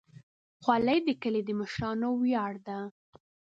خولۍ د کلي د مشرانو ویاړ ده.